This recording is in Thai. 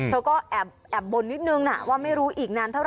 เธอก็แอบบ่นนิดนึงว่าไม่รู้อีกนานเท่าไ